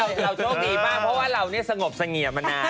เราโชคดีมากเพราะว่าเราเนี่ยสงบเสงี่ยมานาน